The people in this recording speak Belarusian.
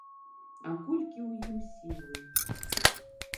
А колькі ў ім сілы!